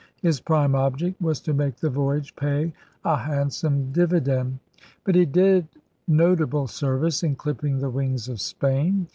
His prime object was to make the voyage pay a handsome dividend. But he did notable service in clipping the wings of Spain.